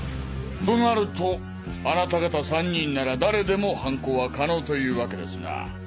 となるとあなた方３人なら誰でも犯行は可能というわけですな？